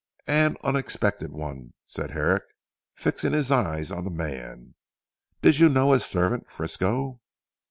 "An unexpected one," said Herrick fixing his eyes on the man. "Did you know his servant, Frisco?"